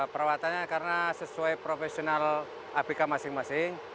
perawatannya karena sesuai profesional abk masing masing